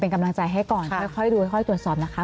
เป็นกำลังใจให้ก่อนค่อยดูค่อยตรวจสอบนะคะ